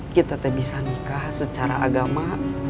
kita tak bisa nikah secara agama